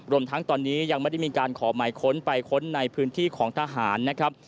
รวมทั้งตอนนี้ยังไม่ได้มีการขอหมายค้นไปค้นในพื้นที่ของทหารนะครับ